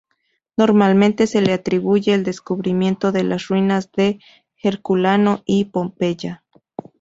Normalmente se le atribuye el descubrimiento de las ruinas de Herculano y Pompeya.